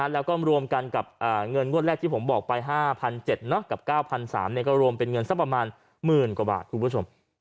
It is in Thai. แล้วก็รวมกันกับเงินงวดแรกที่ผมบอกไป๕๗๐๐กับ๙๓๐๐ก็รวมเป็นเงินสักประมาณหมื่นกว่าบาทคุณผู้ชม